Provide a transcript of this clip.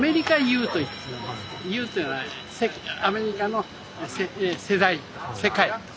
「世」というのはアメリカの世代世界。